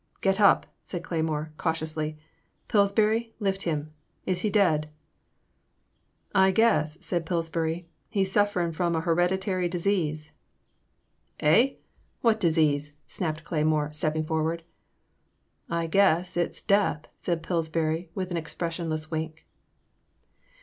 Get up," said Cleymore, cautiously, Pills bury lift him; is he dead ?"I guess," said Pillsbury, he*s sufferin* from a hereditary disease." 200 In the Name of the Most High. Eh? What disease?" snapped Cleymore, stepping forward. '' I guess it 's death," said Pillsbiuy, with an expressionless wink.